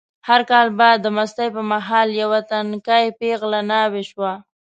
هر کال به د مستۍ په مهال یوه تنکۍ پېغله ناوې شوه.